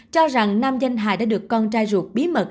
cho rằng nam danh hải đã được con trai ruột bí mật